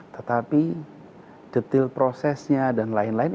tetapi detil prosesnya dan lain lain